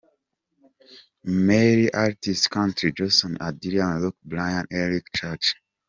Male artist, country: Jason Aldean, Luke Bryan, Eric Church.